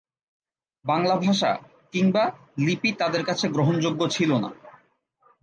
বাংলা ভাষা কিংবা লিপি তাদের কাছে গ্রহণযোগ্য ছিল না।